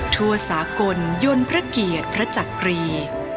ทั่วสากลยนต์พระเกียรติพระจักรี